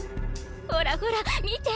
ほらほら見て！